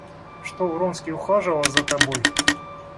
Что Вронский ухаживал за тобой?